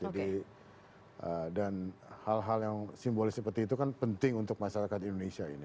jadi dan hal hal yang simbolis seperti itu kan penting untuk masyarakat indonesia ini